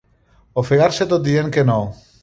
Ofegar-se tot dient que no.